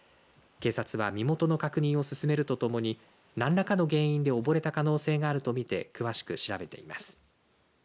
警察は身元の確認を進めるとともに何らかの原因で溺れた可能性があるとみて詳しく調べています。